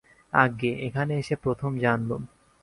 আজ্ঞে, এখানে এসে প্রথম জানলুম।